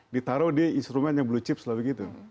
ditaruh di instrumen yang blue chip selalu begitu